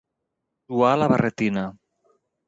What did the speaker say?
Suar la barretina.